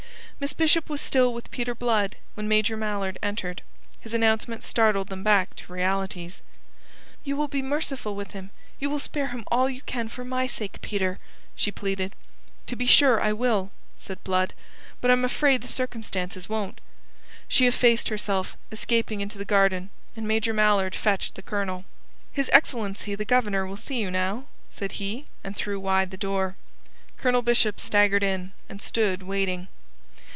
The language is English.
Miss Bishop was still with Peter Blood when Major Mallard entered. His announcement startled them back to realities. "You will be merciful with him. You will spare him all you can for my sake, Peter," she pleaded. "To be sure I will," said Blood. "But I'm afraid the circumstances won't." She effaced herself, escaping into the garden, and Major Mallard fetched the Colonel. "His excellency the Governor will see you now," said he, and threw wide the door. Colonel Bishop staggered in, and stood waiting.